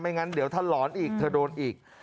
งั้นเดี๋ยวถ้าหลอนอีกเธอโดนอีก